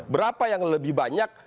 berapa yang lebih banyak